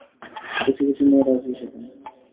কচি কচি মেয়েরা আসবে সেখানে।